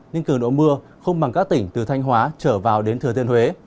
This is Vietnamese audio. nhưng cường độ mưa không bằng các tỉnh từ thanh hóa trở vào đến thừa thiên huế